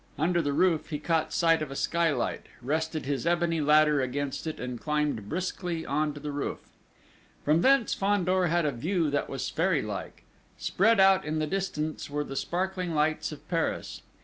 Under the roof he caught sight of a skylight, rested his ebony ladder against it, and climbed briskly on to the roof. From thence Fandor had a view that was fairy like. Spread out in the distance were the sparkling lights of Paris.